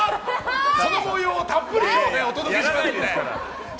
その模様をたっぷりとお届けしますから。